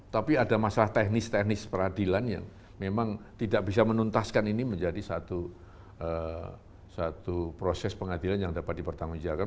tapi ada masalah teknis teknis peradilan yang memang tidak bisa menuntaskan ini menjadi satu proses pengadilan yang dapat dipertanggungjawabkan